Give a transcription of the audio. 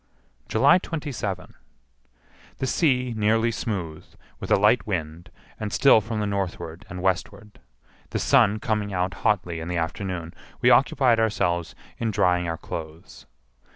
July 27. The sea nearly smooth, with a light wind, and still from the northward and westward. The sun coming out hotly in the afternoon, we occupied ourselves in drying our clothes.